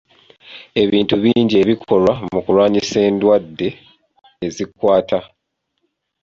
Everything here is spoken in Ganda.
Ebintu bingi ebikolwa mu kulwanyisa endwadde ezikwata.